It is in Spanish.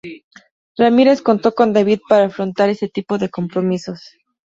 Ramírez contó con David para afrontar este tipo de compromisos.